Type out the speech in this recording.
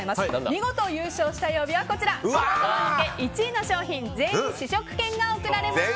見事、優勝した曜日はくろうと番付１位の商品全員試食券が贈られます。